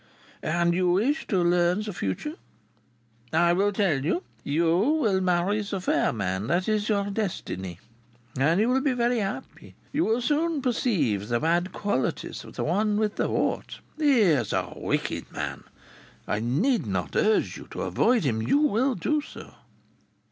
"And you wish to learn the future. I will tell you you will marry the fair man. That is your destiny. And you will be very happy. You will soon perceive the bad qualities of the one with the wart. He is a wicked man. I need not urge you to avoid him. You will do so."